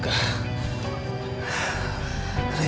masalah itu bisa dikendalikan